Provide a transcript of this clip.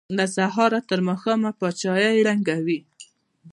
له سهاره تر ماښامه پاچاهۍ ړنګوي.